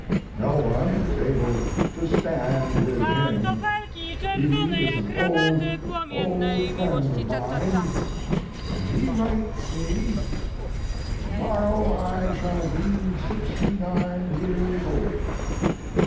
No one is able to stand with him. He is an old, old friend of mine, and he writes me, "To morrow I shall be sixty nine years old."